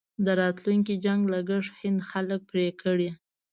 د راتلونکي جنګ لګښت هند خلک پرې کړي.